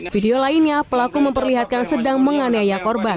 video lainnya pelaku memperlihatkan sedang menganiaya korban